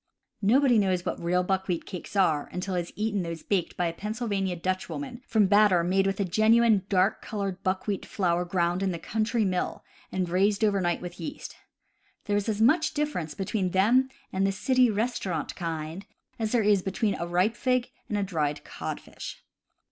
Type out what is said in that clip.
— Nobody knows what real buck wheat cakes are until he has eaten those baked by a Pennsylvania Dutchwoman from batter made with genuine dark colored buckwheat flour ground in a country mill, and raised over night with yeast. There is as much difference between them and the city res taurant kind as there is between a ripe fig and a dried codfish.